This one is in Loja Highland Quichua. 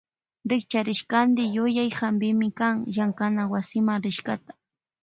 Rikcharishkanti yuyay hapimi kan llankana wasima rishkata.